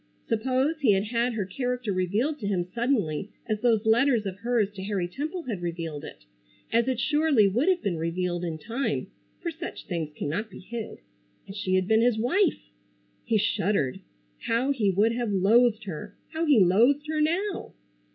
Suppose he had had her character revealed to him suddenly as those letters of hers to Harry Temple had revealed it—as it surely would have been revealed in time, for such things cannot be hid,—and she had been his wife! He shuddered. How he would have loathed her! How he loathed her now!